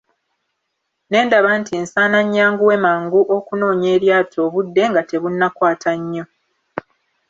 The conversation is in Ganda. Ne ndaba nti nsaana nnyanguwe mangu okunoonya eryato obudde nga tebunnakwata nnyo.